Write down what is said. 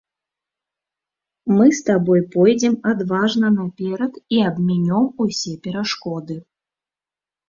Мы з табой пойдзем адважна наперад і абмінём усе перашкоды.